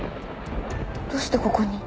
どうしてここに？